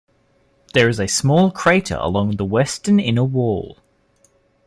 There is a small crater along the western inner wall.